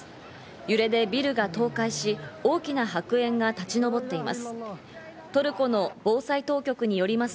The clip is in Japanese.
揺れでビルが倒壊し、大きな白煙が立ち上っています。